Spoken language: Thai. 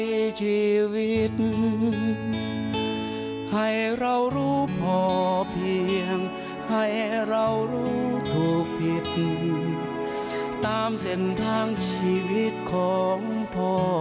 มีชีวิตให้เรารู้พอเพียงให้เรารู้ถูกผิดตามเส้นทางชีวิตของพ่อ